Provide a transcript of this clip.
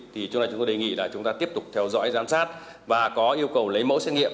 thì chúng ta đề nghị là chúng ta tiếp tục theo dõi giám sát và có yêu cầu lấy mẫu xét nghiệm